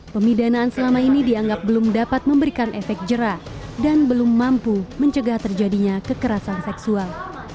pemidanaan selama ini dianggap belum dapat memberikan efek jerah dan belum mampu mencegah terjadinya kekerasan seksual